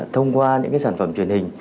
thông qua những sản phẩm truyền hình